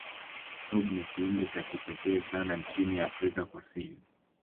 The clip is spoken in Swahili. blob ni kiumbe cha kipekee sana nchini afrika kusini